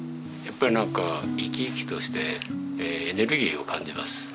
やっぱりなんか生き生きとしてエネルギーを感じます。